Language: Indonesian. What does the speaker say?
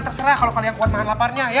terserah kalau kalian kuat makan laparnya ya